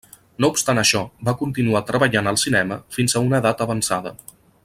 No obstant això, va continuar treballant al cinema fins a una edat avançada.